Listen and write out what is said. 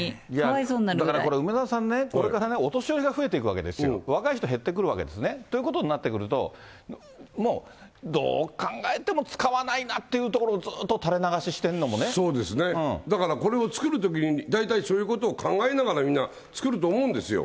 だからこれ、梅沢さんね、これからお年寄りが増えてくるわけですよ、若い人減ってくるんですね。ということになってくると、もうどう考えても使わないなっていうところをずっと垂れ流ししてこれを作るときにね、大体そういうことを考えながら、みんな作ると思うんですよ。